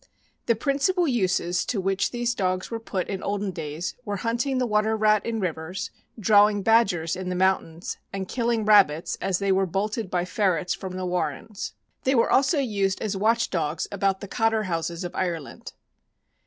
The principal uses to which these dogs were put in olden days were hunting the water rat in the rivers, drawing badgers in the mountains, and killing rabbits as they were bolted by ferrets from the warrens. They were also used as watch dogs about the cotter houses of Ireland.